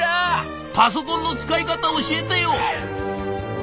パソコンの使い方教えてよ」。